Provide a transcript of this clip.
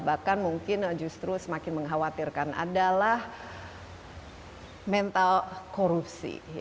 bahkan mungkin justru semakin mengkhawatirkan adalah mental korupsi